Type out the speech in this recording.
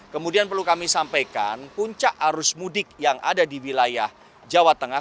kemudian perlu kami sampaikan puncak arus mudik yang ada di wilayah jawa tengah